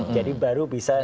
jadi baru bisa